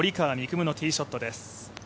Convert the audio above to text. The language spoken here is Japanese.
夢のティーショットです。